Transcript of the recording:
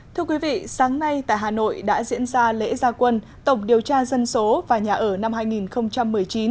thưa quý vị sáng nay tại hà nội đã diễn ra lễ gia quân tổng điều tra dân số và nhà ở năm hai nghìn một mươi chín